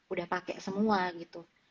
udah pakai semua gitu